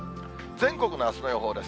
全国のあすの予報です。